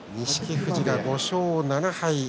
富士は５勝７敗。